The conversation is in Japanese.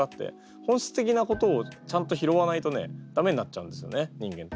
本質的なことをちゃんと拾わないとね駄目になっちゃうんですよね人間って。